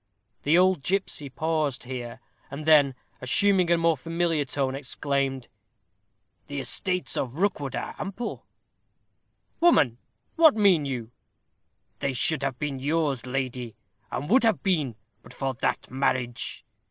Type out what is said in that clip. The old gipsy paused here, and then, assuming a more familiar tone, exclaimed, "The estates of Rookwood are ample " "Woman, what mean you?" "They should have been yours, lady, and would have been, but for that marriage.